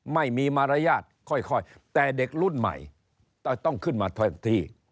ไม่มีมารยาทค่อยแต่เด็กรุ่นใหม่ต้องขึ้นมาแทนที่